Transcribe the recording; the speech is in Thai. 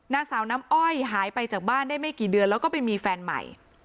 นางสาวน้ำอ้อยหายไปจากบ้านได้ไม่กี่เดือนแล้วก็ไปมีแฟนใหม่